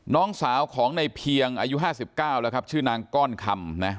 น้องสาวของในเพียงอายุ๕๙แล้วครับชื่อนางก้อนคำนะ